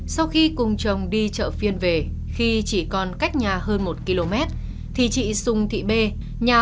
hai nghìn hai mươi sau khi cùng chồng đi chợ phiên về khi chỉ còn cách nhà hơn một km thì chị sung thị bê nhà